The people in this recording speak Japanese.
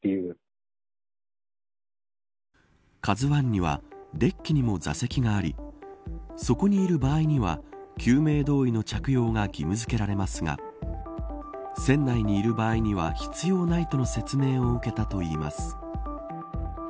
ＫＡＺＵ１にはデッキにも座席がありそこにいる場合には救命胴衣の着用が義務づけられますが船内にいる場合には、必要ないとの説明を受けたといいます。